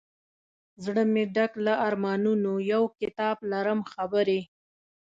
زړه مي ډک له ارمانونو یو کتاب لرم خبري